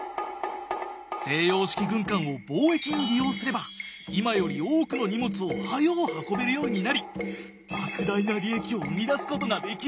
西洋式軍艦を貿易に利用すれば今より多くの荷物を早お運べるようになり莫大な利益を生み出すことができる！